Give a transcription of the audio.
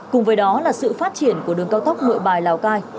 cùng với đó là sự phát triển của đường cao tốc nội bài lào cai